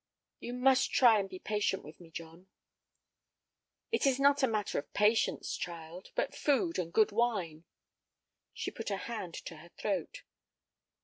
"You must try and be patient with me, John." "It is not a matter of patience, child, but food and good wine." She put a hand to her throat.